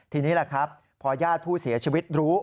ทีนี้แหละครับพอญาติผู้เสียชีวิตรู้